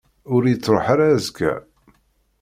Ur yettruḥ ara azekka.